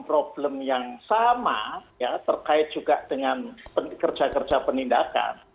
problem yang sama ya terkait juga dengan kerja kerja penindakan